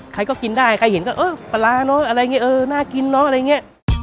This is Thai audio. ใครก็กินได้ใครเห็นก็เออปลาร้าน่ากินน่ะอะไรอย่างนี้